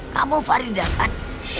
kamu faridah kan